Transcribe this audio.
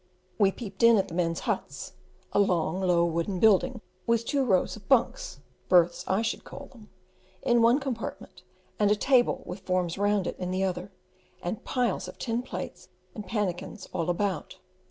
We peeped in at the men's huts a long, low wooden building, with two rows of "bunks" (berths, I should call their) in one compartment, and a table with forms round it in the other, and piles of tin plates and pannikins all about.